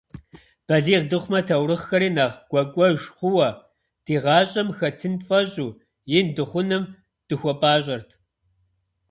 Балигъ дыхъумэ, таурыхъхэри нэхъ гуакӀуэж хъууэ ди гъащӀэм хэтын тфӀэщӀу, ин дыхъуным дыхуэпӀащӀэрт.